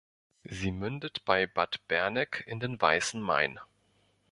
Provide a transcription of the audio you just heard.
Sie mündet bei Bad Berneck in den Weißen Main.